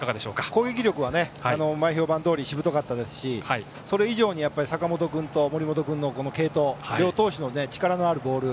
攻撃力は前評判どおりしぶとかったですしそれ以上に坂本君と森本君の継投両投手の力のあるボール。